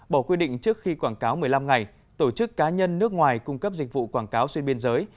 bỏ quy định trước khi quảng cáo một mươi năm ngày tổ chức cá nhân nước ngoài cung cấp dịch vụ quảng cáo xuyên biên giới